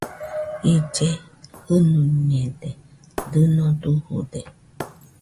Ille jɨnuiñede, dɨno dujude